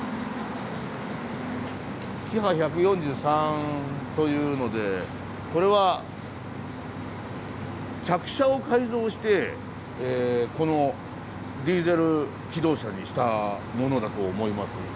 キハ１４３というのでこれは客車を改造してこのディーゼル気動車にしたものだと思います。